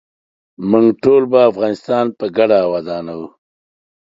موږ ټول به افغانستان په ګډه ودانوو.